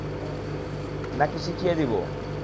না কি শিখিয়ে দিব?